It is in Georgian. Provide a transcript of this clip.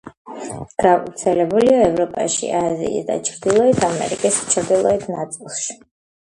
გავრცელებულია ევროპაში, აზიის და ჩრდილოეთ ამერიკის ჩრდილოეთ ნაწილში.